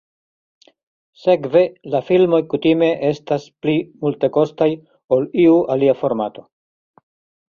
Sekve, la filmoj kutime estas pli multekostaj ol iu alia formato.